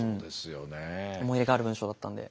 思い入れがある文章だったんで。